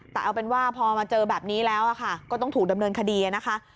แต่เอาเป็นว่าพอมาเจอแบบนี้แล้วก็ต้องถูกดำเนินคดีนะคะ